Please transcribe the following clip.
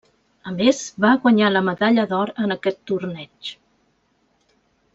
A més va guanyar la medalla d'or en aquest torneig.